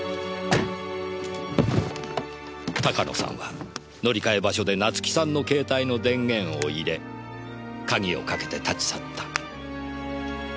鷹野さんは乗り換え場所で夏樹さんの携帯の電源を入れ鍵をかけて立ち去った。